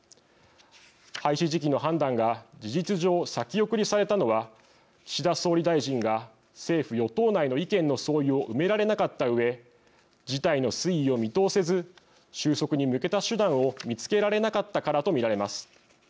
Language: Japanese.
廃止時期の判断が事実上、先送りされたのは岸田総理大臣が政府・与党内の意見の相違を埋められなかったうえ事態の推移を見通せず収束に向けた手段を見つけられなかったからと見られます。